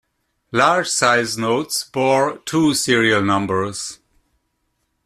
Large-size notes bore two serial numbers.